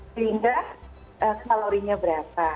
sehingga kalorinya berapa